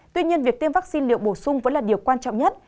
tuy nhiên việc tiêm vaccine liệu bổ sung vẫn là điều quan trọng nhất